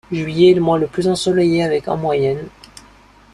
Juillet est le mois le plus ensoleillé avec en moyenne.